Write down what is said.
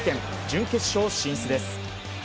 準決勝進出です。